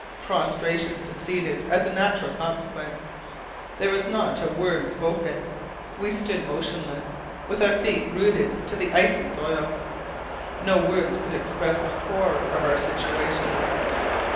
Prostration succeeded as a natural consequence. There was not a word spoken. We stood motionless, with our feet rooted to the icy soil. No words could express the horror of our situation!